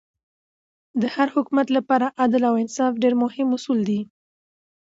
د هر حکومت له پاره عدل او انصاف ډېر مهم اصول دي.